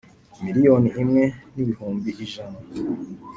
Miliyoni imwe n ibihumbi ijana